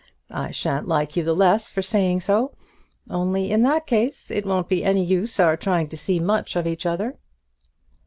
I shan't like you the less for saying so: only in that case it won't be any use our trying to see much of each other."